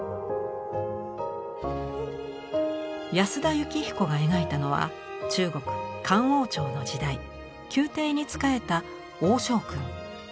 安田靫彦が描いたのは中国漢王朝の時代宮廷に仕えた王昭君。